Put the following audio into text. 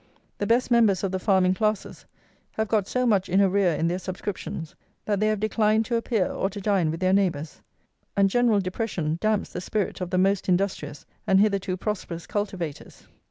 The best members of the farming classes have got so much in arrear in their subscriptions that they have declined to appear or to dine with their neighbours, and general depression damps the spirit of the most industrious and hitherto prosperous cultivators."